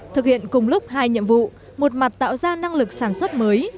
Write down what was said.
thực hiện cùng lúc hai nhiệm vụ một mặt tạo ra năng lực sản xuất mới